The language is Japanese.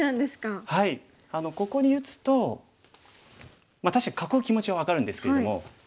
ここに打つと確かに囲う気持ちは分かるんですけども。